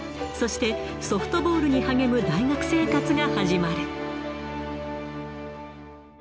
そしてソフトボールに励む大学生活が始まる。